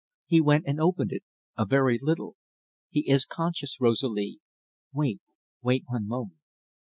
He went and opened it a very little. "He is conscious, Rosalie," he whispered. "Wait wait one moment."